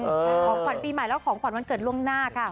ของขวัญปีใหม่แล้วของขวัญวันเกิดล่วงหน้าค่ะ